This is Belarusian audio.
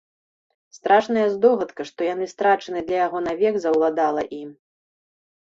Страшная здогадка, што яны страчаны для яго навек, заўладала ім.